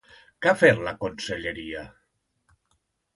Què ha fet la conselleria?